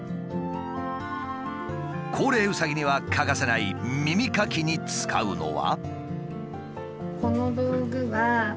高齢うさぎには欠かせない耳かきに使うのは。